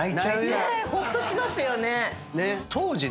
ほっとしますよね。